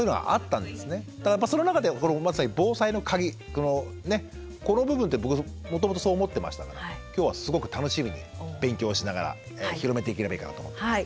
ただやっぱその中でまさに防災のカギこの部分って僕もともとそう思ってましたから今日はすごく楽しみに勉強しながら広めていければいいかなと思ってます。